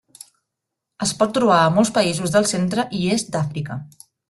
Es pot trobar a molts països del centre i est d'Àfrica.